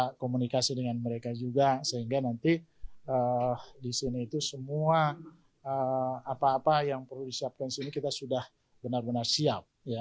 kita komunikasi dengan mereka juga sehingga nanti di sini itu semua apa apa yang perlu disiapkan di sini kita sudah benar benar siap